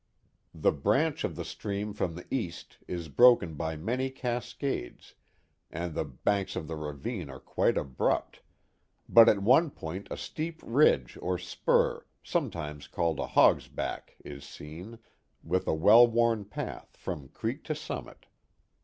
The branch of the stream from the east is broken by many cascades, and the banks of the ravine are quite abrupt, but at one point a steep ridge or spur, sometimes called a " hogs back," is seen, with a well worn path from creek to summit.